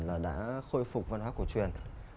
là đã khôi phục văn hóa cổ truyền